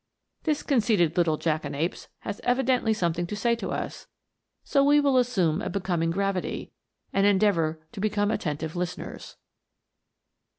This conceited little jackanapes has evidently something to say to us, so we will assume a becoming gravity, and endeavour to become attentive listeners.